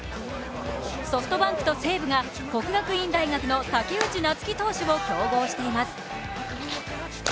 ソフトバンクと西武が国学院大学の武内夏暉投手を競合しています。